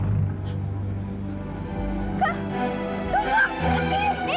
dekat dekat aja bawa wawancaranya